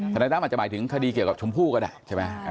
นายตั้มอาจจะหมายถึงคดีเกี่ยวกับชมพู่ก็ได้ใช่ไหม